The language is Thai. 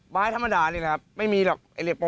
ไม้ธรรมดานี่น่ะครับไม่มีหรอก